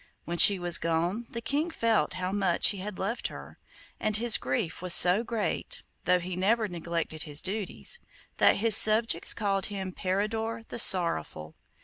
When she was gone the King felt how much he had loved her, and his grief was so great (though he never neglected his duties) that his subjects called him Peridor the Sorrowful.